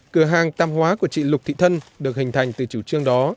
cửa hàng tạp hóa của chị lục thị thân được hình thành từ chủ trương đó